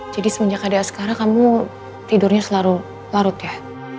jadi semenjak hadiah sekarang kamu tidurnya selalu larut ya